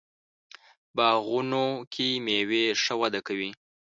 باغونو کې میوې ښه وده کوي.